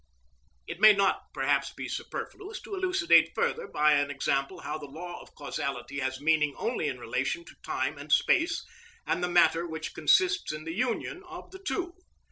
It may not perhaps be superfluous to elucidate further by an example how the law of causality has meaning only in relation to time and space, and the matter which consists in the union of the two.